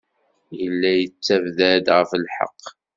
Yella yettabdad ɣef lḥeqq.